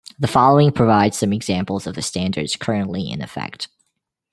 The following provides some examples of the standards currently in effect.